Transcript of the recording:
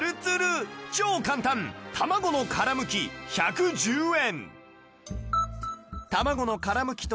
超簡単たまごの殻剥き１１０円